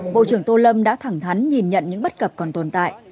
bộ trưởng tô lâm đã thẳng thắn nhìn nhận những bất cập còn tồn tại